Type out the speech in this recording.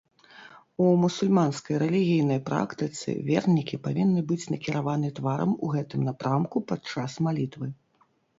У мусульманскай рэлігійнай практыцы вернікі павінны быць накіраваны тварам у гэтым напрамку падчас малітвы.